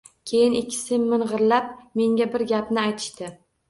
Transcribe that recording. Keyin ikkisi ming‘irlab, menga bir gaplarni aytishdi